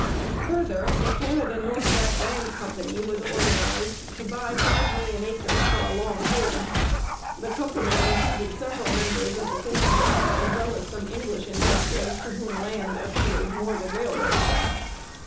Further, the Canada North West Land Company was organized to buy five million acres for a long hold. The company included several members of the syndicate as well as some English investors to whom land appealed more than railway stocks.